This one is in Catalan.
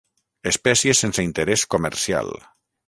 Espècie sense interès comercial.